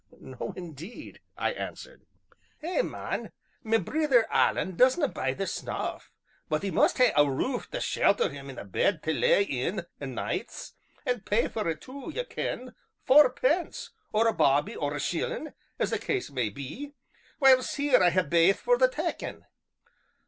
"No, indeed," I answered. "Eh, man! ma brither Alan doesna' buy the snuff, but he must hae a roof tae shelter him an' a bed tae lie in o' nights, an' pay for it too, ye ken, fourpence, or a bawbee, or a shillin', as the case may be, whiles here I hae baith for the takkin'.